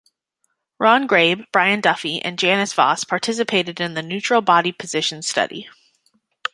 Ron Grabe, Brian Duffy and Janice Voss participated in the Neutral Body Position study.